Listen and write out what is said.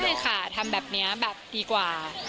ใช่ค่ะทำแบบนี้แบบดีกว่า